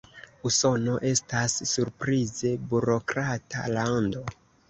Usono estas surprize burokrata lando.